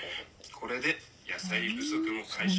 これで野菜不足も解消よ。